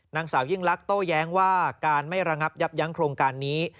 นางสาวยิ่งลักษณ์โต้แย้งว่าการไม่ระงับยับยั้งโครงการนี้